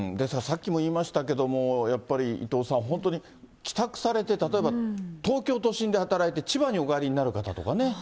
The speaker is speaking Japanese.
さっきも言いましたけれども、やっぱり伊藤さん、本当に帰宅されて、例えば東京都心で働いて、千葉にお帰りになる方とかね。